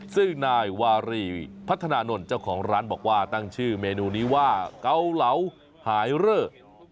ซึ่งนายวารีพัฒนานนท์เจ้าของร้านบอกว่าตั้งชื่อเมนูนี้ว่าเกาเหลาหายเรอ